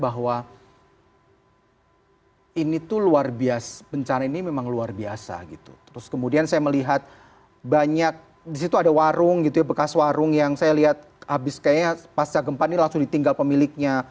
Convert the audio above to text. abis kayaknya pasca gempa ini langsung ditinggal pemiliknya